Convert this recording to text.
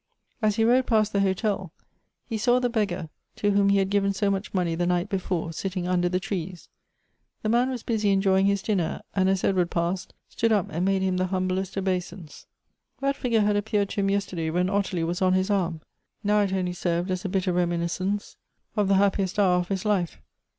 As he rode past the hotel, he saw the beggar to whom 134 Goethe's he had given so much money the night before, sitting un der the trees; the man was busy enjoying his dinner, and, as Edward passed, stood up and made him the hum blest obeisance. That figure had appeared to him yester day, when Ottilie was on his arm; now it only served as a bitter reminiscence of the liappiest hour of his life.